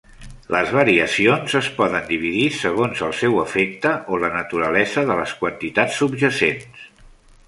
Les variacions es poden dividir segons el seu efecte o la naturalesa de les quantitats subjacents.